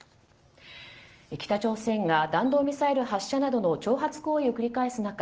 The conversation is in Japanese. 北朝鮮が弾道ミサイル発射などの挑発行為を繰り返す中